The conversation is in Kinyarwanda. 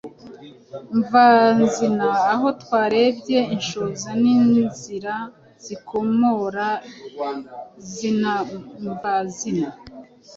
mvazina aho twarebye inshoza n’inzira z’ikomorazina mvazina